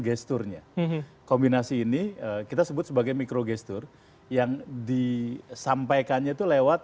gesturnya oke kombinasi ini kita sebut sebagai mikrogestur yang disampaikannya itu lewat